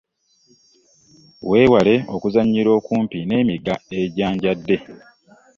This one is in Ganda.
Weewale okuzannyira okumpi n'emigga egyanjadde.